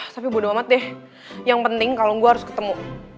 tapi bonu amat deh yang penting kalau enggak harus ketemu